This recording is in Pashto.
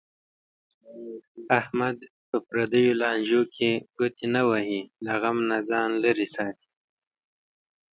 احمد په پردیو لانجو کې ګوتې نه وهي. له غم نه ځان لرې ساتي.